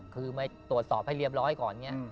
คือตรวจสอบให้เรียบร้อยก่อน